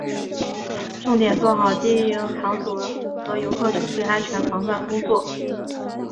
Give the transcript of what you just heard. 重点做好经营场所和游客出行安全防范工作